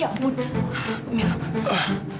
ya ampun mil